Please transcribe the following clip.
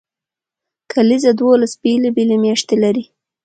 کلیزه دولس بیلې بیلې میاشتې لري.